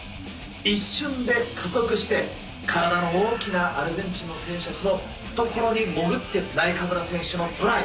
一瞬で加速して、体の大きなアルゼンチンの選手たちの懐に潜って、ナイカブラ選手のトライ。